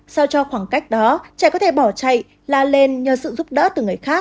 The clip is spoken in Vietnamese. sao cho khoảng cách đó trẻ có thể bỏ chạy la lên nhờ sự giúp đỡ từ người khác